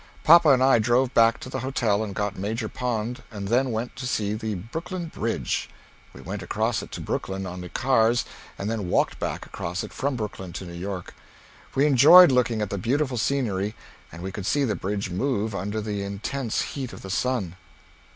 Papa and I drove back to the hotel and got Major Pond and then went to see the Brooklyn Bridge we went across it to Brooklyn on the cars and then walked back across it from Brooklyn to New York. We enjoyed looking at the beautiful scenery and we could see the bridge moove under the intense heat of the sun.